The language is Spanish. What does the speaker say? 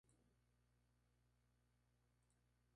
La gran mayoría de los residentes son musulmanes.